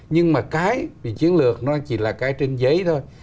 nhưng mà cái về chiến lược nó chỉ là cái trên giấy thôi